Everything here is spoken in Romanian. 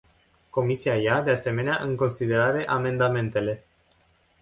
Comisia ia, de asemenea, în considerare amendamentele.